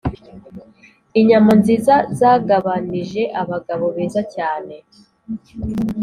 inyama nziza zagabanije abagabo beza cyane